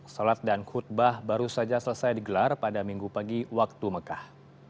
sholat dan khutbah baru saja selesai digelar pada minggu pagi waktu mekah